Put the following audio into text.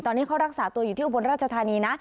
ตอนนี้เขารักษาตัวอยู่ที่อุบลราชธานีนะ